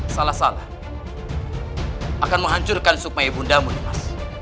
salah salah akan menghancurkan sukma ibundamu nimas